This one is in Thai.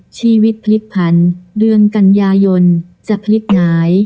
ชีวิตพลิกพันด์เรื่องกัญญายนจะพลิกไหน